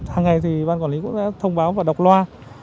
hàng ngày thì ban quản lý cũng đã thông báo và đọc loa